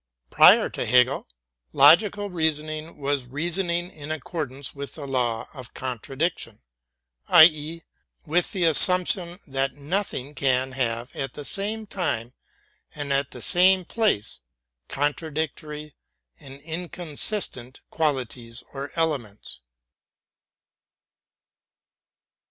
Prior to Hegel, logical reasoning was reasoning in accordance with the law of contradiction, i. e., with the assumption that nothing can have at the same time and at the same place contradictory and inconsistent qual ities or elements.